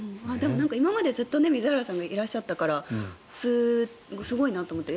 今までずっと水原さんがいらっしゃったからすごいなと思って。